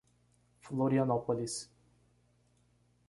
Florianópolis